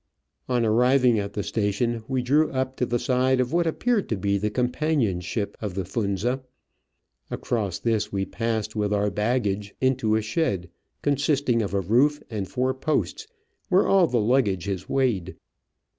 On arriving at the station we drew up to the side of what appeared to be the companion ship of the Funza ; across this we passed with our baggage into a shed, consisting of a roof and four posts, where all the luggage is weighed.